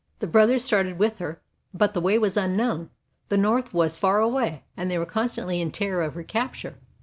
The brothers started with her; but the way was unknown, the North was far away, and they were constantly in terror of recapture.